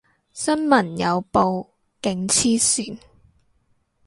新聞有報，勁黐線